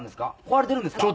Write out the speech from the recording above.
壊れてるんですか？」